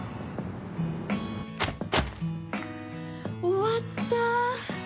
終わった。